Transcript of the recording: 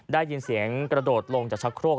ได้ยินเสียงกระโดดลงจากชะโครก